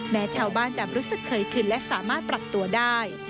แม้ชาวบ้านจะรู้สึกเคยชินและสามารถปรับตัวได้